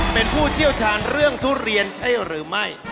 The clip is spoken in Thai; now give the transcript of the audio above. เป็นผู้เชี่ยวชาญเรื่องทุเรียนใช่หรือไม่